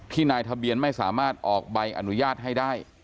นายทะเบียนไม่สามารถออกใบอนุญาตให้ได้